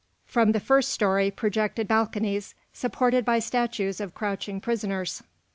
From the first story projected balconies, supported by statues of crouching prisoners.